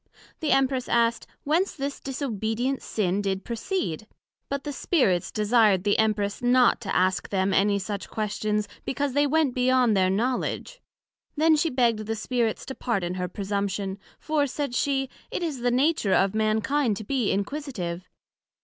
The Empress asked, Whence this disobedient sin did proceed? But the Spirits desired the Empress not to ask them any such questions, because they went beyond their knowledg. Then she begg'd the Spirits to pardon her presumption; for, said she, It is the nature of Mankind to be inquisitive.